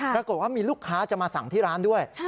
ปรากฏว่ามีลูกค้าจะมาสั่งที่ร้านด้วย